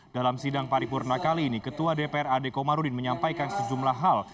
dalam sidang paripurna kali ini ketua dpr ade komarudin menyampaikan sejumlah hal